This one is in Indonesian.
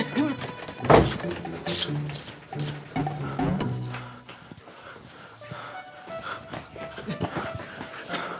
seorang pemeriksaan sosial ini sangat mudah